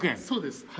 そうです。